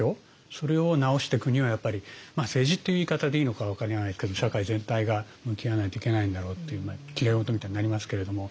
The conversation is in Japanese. それをなおしてくにはやっぱり政治っていう言い方でいいのか分からないですけど社会全体が向き合わないといけないんだろうっていうきれい事みたいになりますけれども。